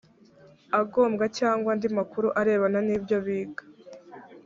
agombwa cyangwa andi makuru arebana n ibyo biga